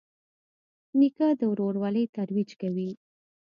نیکه د ورورولۍ ترویج کوي.